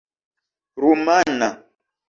rumana